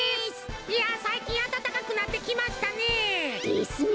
いやさいきんあたたかくなってきましたね。ですね。